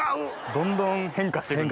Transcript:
どんどん変化してる。